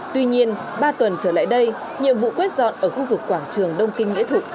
tuy nhiên ba tuần trở lại đây nhiệm vụ quét dọn ở khu vực quảng trường đông kinh nghĩa thục